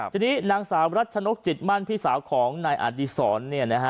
ทีนี้นางสาวรัชนกจิตมั่นพี่สาวของนายอดีศรเนี่ยนะฮะ